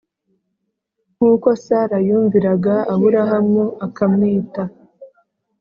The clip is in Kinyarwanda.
nkuko Sara yumviraga Aburahamu akamwita